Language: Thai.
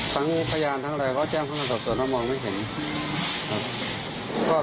ทั้งพยานทั้งอะไรก็แจ้งพนักศัพท์ส่วนแล้วมองไม่เห็นครับ